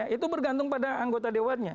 itu bergantung pada anggota dewannya